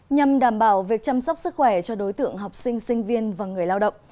nhằm đảm bảo việc chăm sóc sức khỏe cho đối tượng học sinh sinh viên và người lao động